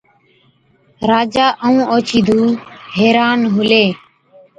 راجا ائُون اوڇِي ڌُو حيران هُلين،